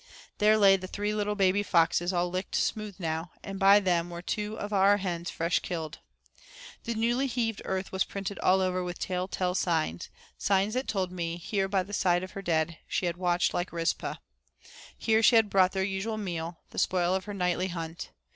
There lay the three little baby foxes all licked smooth now, and by them were two of our hens fresh killed. The newly heaved earth was printed all over with telltale signs signs that told me that here by the side of her dead she had watched like Rizpah. Here she had brought their usual meal, the spoil of her nightly hunt.